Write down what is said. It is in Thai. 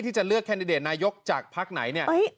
ที่จะเลือกแคนดิเดตนายกจากภาคไหน